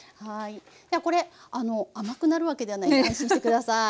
でこれ甘くなるわけではないんで安心して下さい。